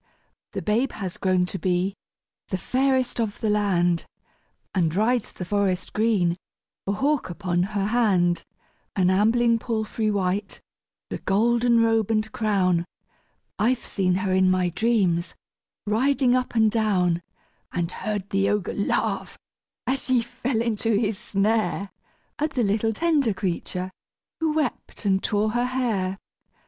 The babe has grown to be the fairest of the land, And rides the forest green a hawk upon her hand, An ambling palfrey white a golden robe and crown; I've seen her in my dreams riding up and down: And heard the ogre laugh as she fell into his snare, At the little tender creature who wept and tore her hair!